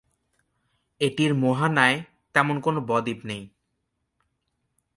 এটির মোহানায় তেমন কোন ব-দ্বীপ নেই।